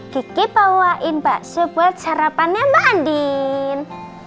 kiki bawain bakso buat sarapan mbak andin